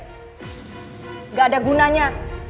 tidak ada gunanya